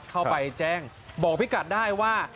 เข้าไปแจ้งบอกพี่กัดได้ว่า